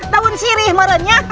daun sirih merennya